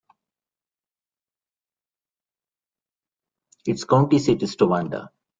Its county seat is Towanda.